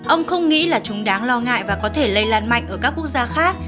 ông không nghĩ là chúng đáng lo ngại và có thể lây lan mạnh ở các quốc gia khác